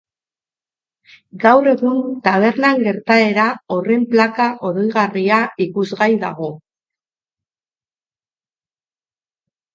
Gaur egun tabernan gertaera horren plaka-oroigarria ikusgai dago.